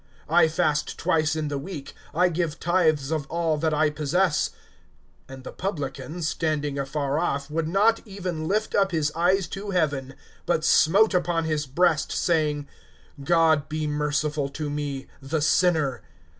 (12)I fast twice in the week; I give tithes of all that I possess[18:12]. (13)And the publican, standing afar off, would not even lift up his eyes to heaven, but smote upon his breast, saying: God be merciful to me, the sinner.